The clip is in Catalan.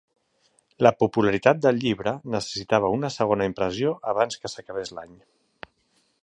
La popularitat del llibre necessitava una segona impressió abans que s'acabés l'any.